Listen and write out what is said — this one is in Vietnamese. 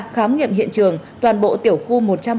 khám nghiệm hiện trường toàn bộ tiểu khu một trăm bốn mươi bốn